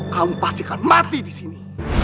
kamu pasti akan mati disini